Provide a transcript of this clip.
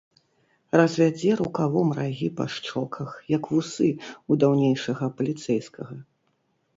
Развядзе рукавом рагі па шчоках, як вусы ў даўнейшага паліцэйскага.